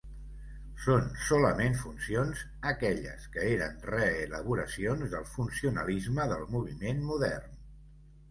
Són solament funcions, aquelles que eren reelaboracions del funcionalisme del Moviment Modern.